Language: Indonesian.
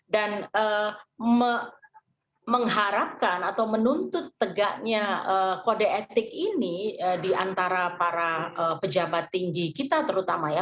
dan mengharapkan atau menuntut tegaknya kode etik ini di antara para pejabat tinggi kita terutama ya